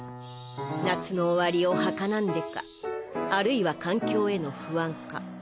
夏の終わりをはかなんでかあるいは環境への不安か。